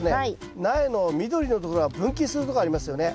苗の緑のところが分岐するとこありますよね。